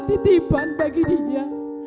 titipan bagi dia